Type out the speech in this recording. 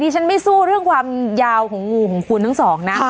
ฉันไม่สู้เรื่องความยาวของงูของคุณทั้งสองนะ